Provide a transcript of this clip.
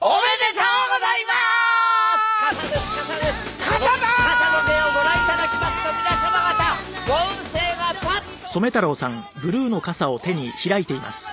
おめでとうございまーす！